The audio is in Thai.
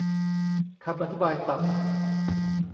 คำอธิบายศัพท์